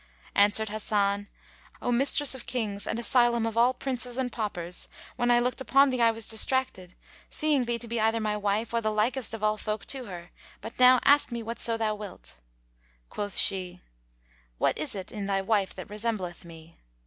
Answered Hasan, "O mistress of Kings and asylum of all princes and paupers, when I looked upon thee, I was distracted, seeing thee to be either my wife or the likest of all folk to her; but now ask me whatso thou wilt." Quoth she, "What is it in thy wife that resembleth me?"